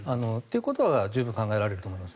ということは十分考えられると。